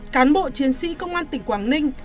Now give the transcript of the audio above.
cán bộ chiến sĩ công an tỉnh quảng ninh